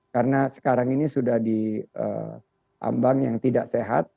karena sekarang ini sudah diambang yang tidak sehat